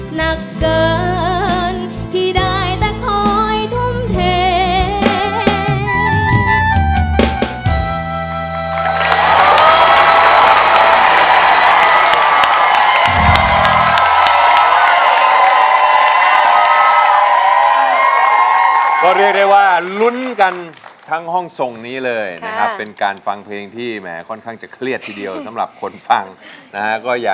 หนักเกินที่ได้แต่คอยทุ่มเท